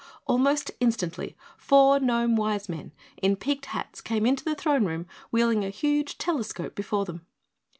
Almost instantly four gnome wise men in peaked hats came into the throne room wheeling a huge telescope before them.